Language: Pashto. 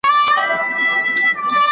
نیلی د خوشحال خان چي په دې غرونو کي کچل دی